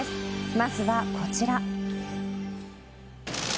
まずはこちら。